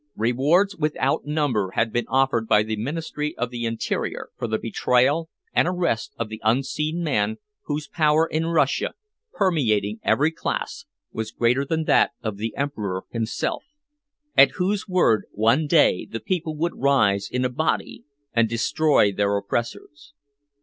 Rewards without number had been offered by the Ministry of the Interior for the betrayal and arrest of the unseen man whose power in Russia, permeating every class, was greater than that of the Emperor himself at whose word one day the people would rise in a body and destroy their oppressors.